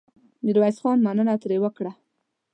ميرويس خان مننه ترې وکړه.